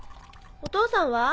お父さんは？